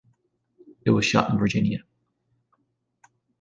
It was shot in Virginia.